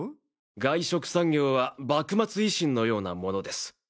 外食産業は幕末維新のようなものです。